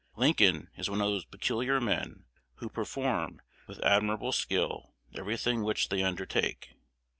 Lincoln is one of those peculiar men who perform with admirable skill every thing which they undertake.